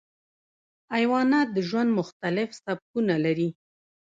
حیوانات د ژوند مختلف سبکونه لري.